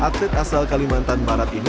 atlet asal kalimantan barat ini